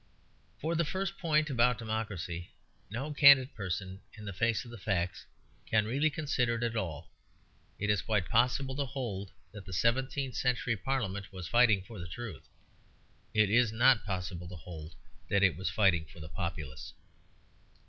For the first point about democracy, no candid person, in face of the facts, can really consider it at all. It is quite possible to hold that the seventeenth century Parliament was fighting for the truth; it is not possible to hold that it was fighting for the populace.